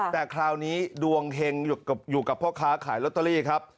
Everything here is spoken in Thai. แต่คราวนี้ดวงเฮงอยู่กับพ่อค้าขายลอตเตอรี่ครับ